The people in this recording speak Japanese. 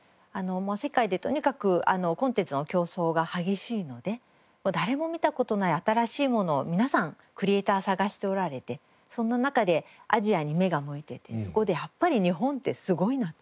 世界でとにかくコンテンツの競争が激しいので誰も見た事ない新しいものを皆さんクリエーター探しておられてそんな中でアジアに目が向いててそこでやっぱり日本ってすごいなと。